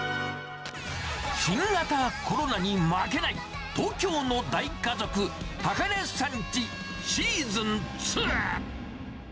新型コロナに負けない、東京の大家族、高根さんチシーズン２。